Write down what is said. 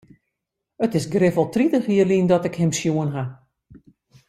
It is grif wol tritich jier lyn dat ik him sjoen ha.